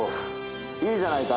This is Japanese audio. いいじゃないか。